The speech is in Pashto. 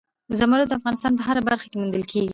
زمرد د افغانستان په هره برخه کې موندل کېږي.